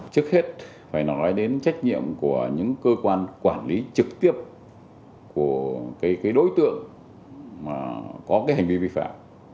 trước hết phải nói đến trách nhiệm của những cơ quan quản lý trực tiếp của đối tượng mà có cái hành vi vi phạm